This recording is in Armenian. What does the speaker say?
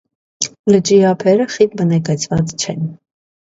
Լճի ափերը խիտ բնակեցված չեն։